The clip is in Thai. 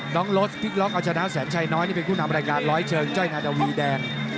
รถพลิกล็อกเอาชนะแสนชัยน้อยนี่เป็นผู้นำรายการร้อยเชิงจ้อยนาดาววีแดง